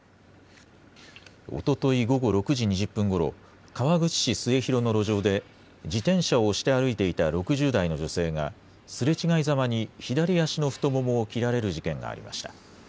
おととい午後６時２０分ごろ、川口市末広の路上で、自転車を押して歩いていた６０代の女性がすれ違いざまに左足の太ももを切られる事件がありました。